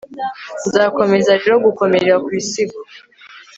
nzakomeza rero gukomera kubisigo